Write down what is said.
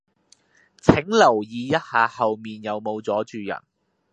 請留意一下後面有無阻住人